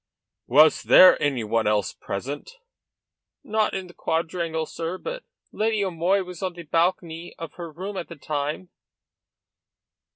"Was there any one else present?" asked the prosecutor. "Not in the quadrangle, sir. But Lady O'Moy was on the balcony of her room all the time."